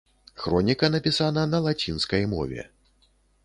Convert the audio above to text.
Хроніка напісана на лацінскай мове.